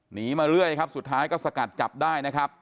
หนีมาเรื่อยครับสุดท้ายก็สกัดจับได้นะครับ